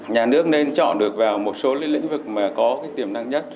nhà nước nên chọn được vào một số lĩnh vực mà có cái tiềm năng nhất